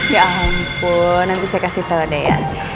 ya ampun nanti saya kasih tau deh ya